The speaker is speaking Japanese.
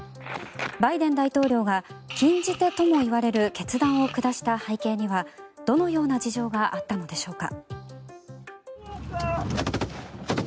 バイデン大統領が禁じ手ともいわれる決断を下した背景にはどのような事情があったのでしょうか。